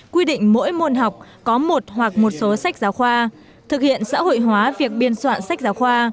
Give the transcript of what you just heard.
quy định mỗi môn học có một hoặc một số sách giáo khoa thực hiện xã hội hóa việc biên soạn sách giáo khoa